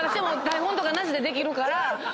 台本とかなしでできるから。